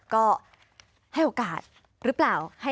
ก็ให้โอกาสหรือเปล่า